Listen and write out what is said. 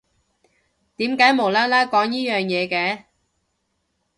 點解無啦啦講呢樣嘢嘅？